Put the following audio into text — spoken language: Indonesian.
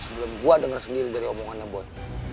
sebelum gue denger sendiri dari omongannya buat